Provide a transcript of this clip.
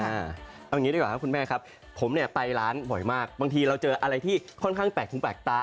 เอาอย่างนี้ดีกว่าครับคุณแม่ครับผมเนี่ยไปร้านบ่อยมากบางทีเราเจออะไรที่ค่อนข้างแปลกหูแปลกตา